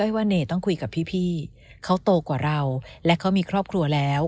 ว่าเน่ต้องคุยกับพี่เขาโตกว่าเราและเขามีครอบครัวแล้ว